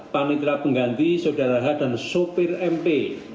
panitra pengganti saudara h dan sopir mp